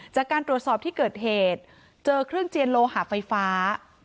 จากการตรวจสอบที่เกิดเหตุเจอเครื่องเจียนโลหะไฟฟ้า